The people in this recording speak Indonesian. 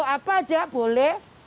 apa saja boleh